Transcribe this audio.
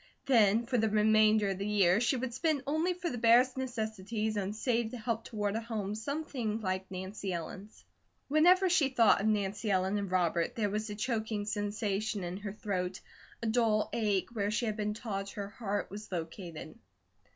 Then for the remainder of the year she would spend only for the barest necessities and save to help toward a home something like Nancy Ellen's. Whenever she thought of Nancy Ellen and Robert there was a choking sensation in her throat, a dull ache where she had been taught her heart was located.